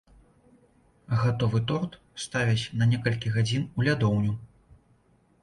Гатовы торт ставяць на некалькі гадзін у лядоўню.